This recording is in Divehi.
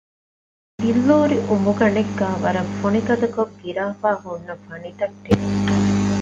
ބިއްލޫރި އުނބުގަނޑެއްގައި ވަރަށް ފޮނިގަދަކޮށް ގިރާފައި ހުންނަ ފަނިތަށްޓެއް